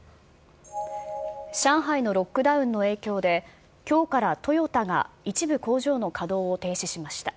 上海のロックダウンの影響で、きょうからトヨタが一部工場の稼働を停止しました。